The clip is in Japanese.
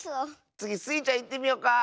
つぎスイちゃんいってみよか！